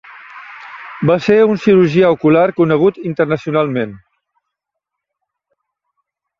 Va ser un cirurgià ocular conegut internacionalment.